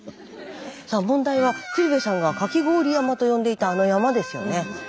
さあ問題は鶴瓶さんがかき氷山と呼んでいたあの山ですよね。